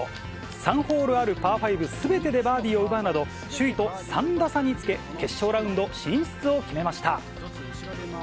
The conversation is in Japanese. ３ホールあるパー５すべてでバーディーを奪うなど、首位と３打差につけ、決勝ラウンド進出を決めました。